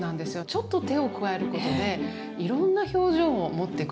ちょっと手を加えることでいろんな表情を持ってくれる。